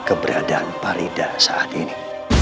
keberadaan faridah saat ini